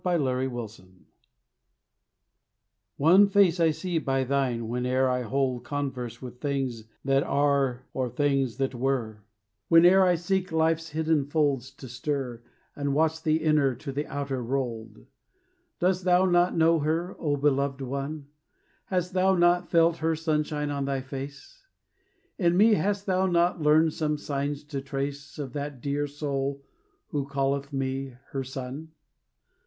ONE FACE I SEE One face I see by thine whene'er I hold Converse with things that are or things that were; Whene'er I seek life's hidden folds to stir, And watch the inner to the outer rolled. Dost thou not know her, O beloved one? Hast thou not felt her sunshine on thy face? In me hast thou not learned some signs to trace Of that dear soul who calleth me her son?